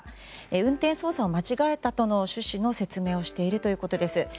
運転操作を間違えたとの趣旨の説明をしているということです。